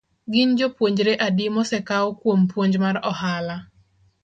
Gin jopuonjre adi mosekau kuom puonj mar ohala?